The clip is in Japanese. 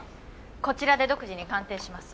こちらで独自に鑑定します。